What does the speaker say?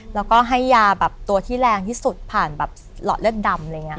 แล้วก็ให้ยาแบบตัวที่แรงที่สุดผ่านแบบหลอดเลือดดำ